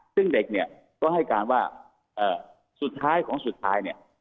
ซึ่งเด็กเนี่ยก็ให้การว่าสุดท้ายของสุดท้ายเนี่ย